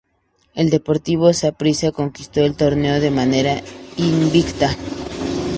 El Deportivo Saprissa conquistó el torneo de manera invicta.